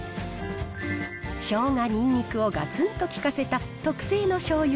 しょうが、にんにくをがつんと利かせた特製のしょうゆ